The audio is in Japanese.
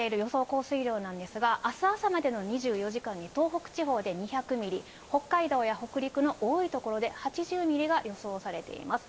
降水量なんですが、あす朝までの２４時間に東北地方で２００ミリ、北海道や北陸の多い所で８０ミリが予想されています。